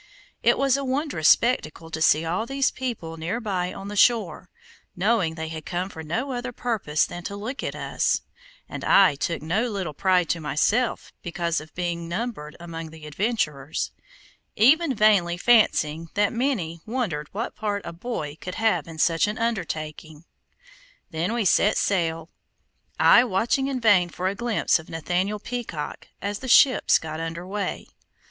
It was a wondrous spectacle to see all these people nearby on the shore, knowing they had come for no other purpose than to look at us, and I took no little pride to myself because of being numbered among the adventurers, even vainly fancying that many wondered what part a boy could have in such an undertaking. Then we set sail, I watching in vain for a glimpse of Nathaniel Peacock as the ships got under way.